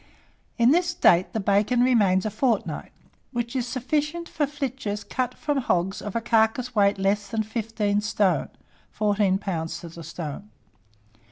In this state the bacon remains a fortnight, which is sufficient for flitches cut from nogs of a carcass weight less than 15 stone (14 lbs. to the stone).